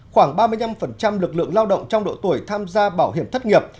khoảng ba mươi năm lực lượng lao động trong độ tuổi tham gia bảo hiểm thất nghiệp